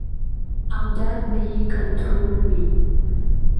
او درد به ئې کنټرول وي -